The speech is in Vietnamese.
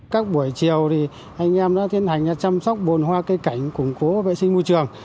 các buổi chiều thì anh em đã tiến hành chăm sóc bồn hoa cây cảnh củng cố vệ sinh môi trường